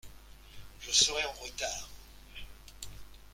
Je serai en retard.